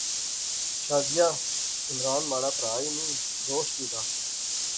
شازیہ عمران مہاڑا پرہا ایہہ نی دوست وی دا